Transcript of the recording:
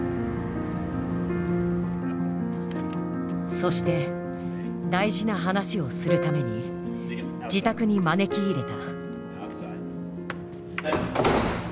そして大事な話をするために自宅に招き入れた。